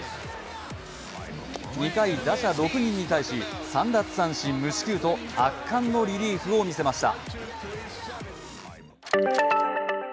２回、打者６人に対し３奪三振無四球と圧巻のリリーフを見せました。